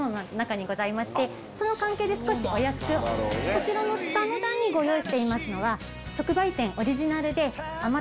こちらの下の段にご用意していますのは。